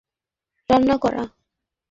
ভেবেছিলাম তুমি রান্না করা পছন্দ করো না।